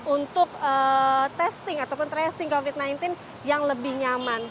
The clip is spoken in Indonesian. untuk testing ataupun tracing covid sembilan belas yang lebih nyaman